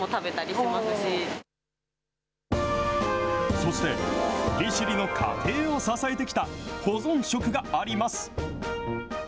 そして、利尻の家庭を支えてきた保存食があります。